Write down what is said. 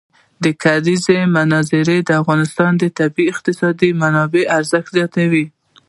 د کلیزو منظره د افغانستان د اقتصادي منابعو ارزښت زیاتوي.